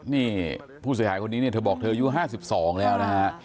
นี่ผู้เสียหายคนนี้เนี่ยเธอบอกเธออายุ๕๒แล้วนะฮะ